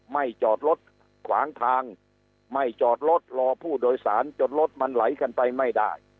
จอดรถขวางทางไม่จอดรถรอผู้โดยสารจนรถมันไหลกันไปไม่ได้